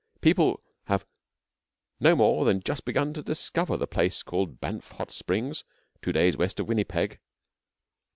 People have no more than just begun to discover the place called the Banff Hot Springs, two days west of Winnipeg.